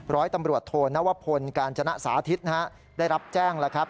ร้อยตำรวจโทนวพลกาญจนะสาธิตได้รับแจ้งแล้วครับ